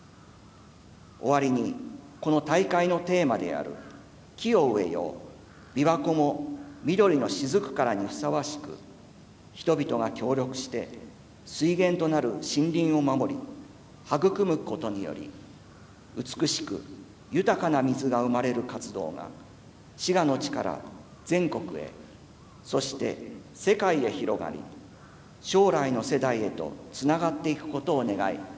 終わりにこの大会のテーマである「木を植えようびわ湖も緑のしずくから」にふさわしく人々が協力して水源となる森林を守り育むことにより美しく豊かな水が生まれる活動が滋賀の地から全国へそして世界へ広がり将来の世代へとつながっていくことを願い